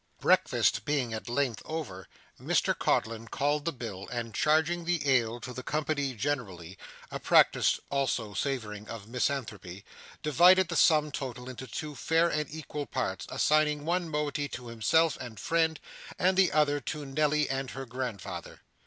Breakfast being at length over, Mr Codlin called the bill, and charging the ale to the company generally (a practice also savouring of misanthropy) divided the sum total into two fair and equal parts, assigning one moiety to himself and friend, and the other to Nelly and her grandfather.